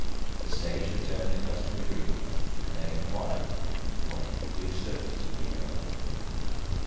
The sage returned the customary greetings, and then inquired in what he could be of service to the new comer.